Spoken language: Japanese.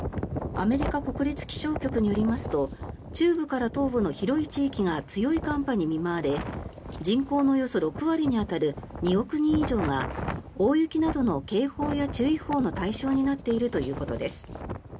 アメリカ国立気象局によりますと中部から東部の広い地域が強い寒波に見舞われ人口のおよそ６割に当たる２億人以上が大雪などの警報や注意報の対象になっているということです。